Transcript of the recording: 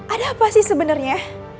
ada apa sih sebenernya